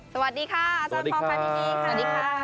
สวัสดีค่ะอาจารย์พอพัทินี